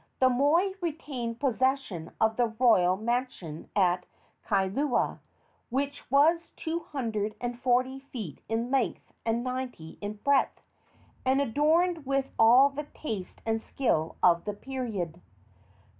The moi retained possession of the royal mansion at Kailua, which was two hundred and forty feet in length and ninety in breadth, and adorned with all the taste and skill of the period.